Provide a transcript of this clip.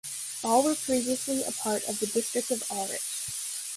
All were previously part of the District of Aurich.